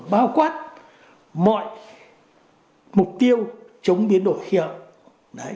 bao quát mọi mục tiêu chống biến đổi khí hậu